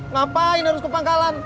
ngapain harus kepangkalan